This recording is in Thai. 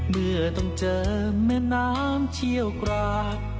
เมื่อต้องเจอแม่น้ำเชี่ยวกราก